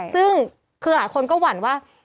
ซึ่งคือหลายคนก็หวั่นว่า